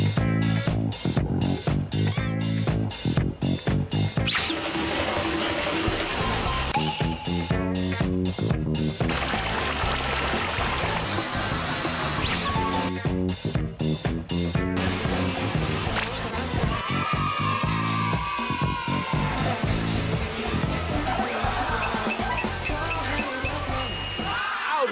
ดูแล้วก็ปรบมือ